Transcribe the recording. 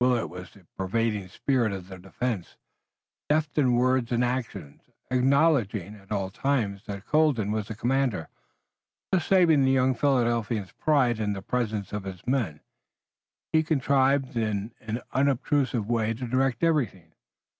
Willet was the pervading spirit of the defense. Deft in word and action, acknowledging at all times that Colden was the commander, thus saving the young Philadelphian's pride in the presence of his men, he contrived in an unobtrusive way to direct everything.